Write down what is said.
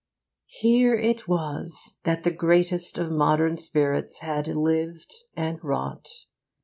'Here it was that the greatest of modern spirits had lived and wrought.